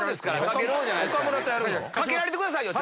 かけられてくださいよ。